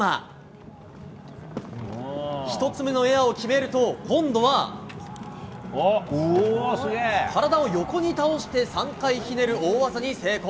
１つ目のエアを決めると今度は体を横に倒して３回ひねる大技に成功。